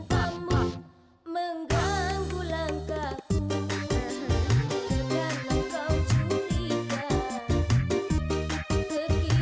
sekarang didur yang pulas ya